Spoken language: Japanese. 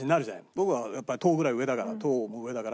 僕はやっぱり１０ぐらい上だから１０も上だから。